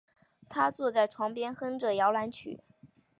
她坐在床边哼着摇篮曲